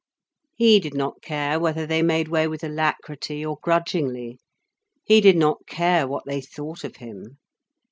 He did not care whether they made way with alacrity, or grudgingly. He did not care what they thought of him.